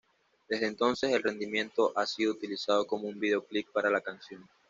Desde entonces, el rendimiento ha sido utilizado como un videoclip para la canción.